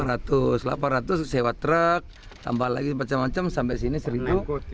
rp delapan ratus sewa truk tambah lagi macam macam sampai sini rp satu tiga ratus